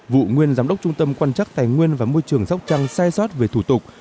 vụ nguyên giám đốc trung tâm quan chắc tài nguyên và môi trường sóc trăng sai sót về thủ tục